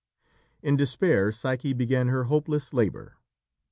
In despair, Psyche began her hopeless labour.